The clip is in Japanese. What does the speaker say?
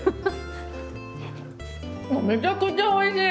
めちゃくちゃおいしい！